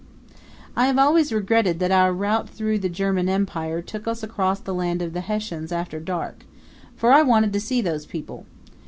I have always regretted that our route through the German Empire took us across the land of the Hessians after dark, for I wanted to see those people.